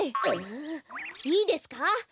いいですか？